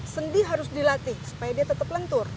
sendi harus dilatih supaya dia tetap lentur